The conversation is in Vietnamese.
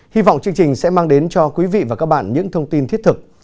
hy vọng chương trình sẽ mang đến cho quý vị và các bạn những thông tin thiết thực